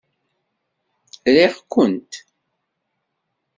Riɣ-kent!